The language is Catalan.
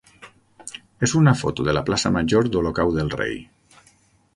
és una foto de la plaça major d'Olocau del Rei.